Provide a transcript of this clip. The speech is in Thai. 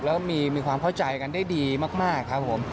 แล้วมีความเข้าใจกันได้ดีมากครับผม